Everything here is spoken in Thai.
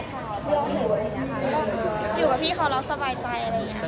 อยู่กับพี่เขาเรารักสบายใจ